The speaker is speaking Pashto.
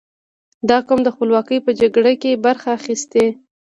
• دا قوم د خپلواکۍ په جګړو کې برخه اخیستې.